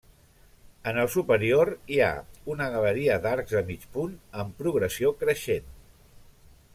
En el superior, hi ha una galeria d'arcs de mig punt en progressió creixent.